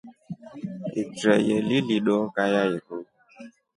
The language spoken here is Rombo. Itreye lili dooka ya iru.